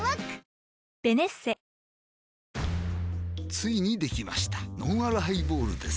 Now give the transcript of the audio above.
・ついにできましたのんあるハイボールです